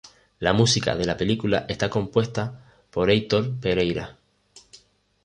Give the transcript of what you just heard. La música de la película está compuesta por Heitor Pereira.